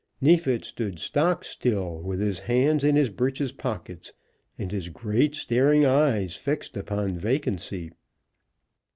Neefit stood stock still, with his hands in his breeches pockets, and his great staring eyes fixed upon vacancy.